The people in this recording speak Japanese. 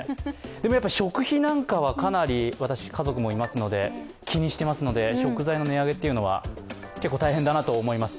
でもやっぱり食費なんかは私、家族もいますので気にしていますので食材の値上げというのは結構大変だなと思います。